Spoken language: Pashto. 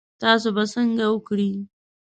تاسو به څنګه وکړی؟